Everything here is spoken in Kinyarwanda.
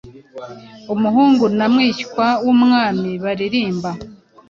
Umuhungu na mwishywa wumwami baririmba